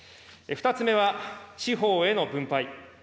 ２つ目は地方への分配。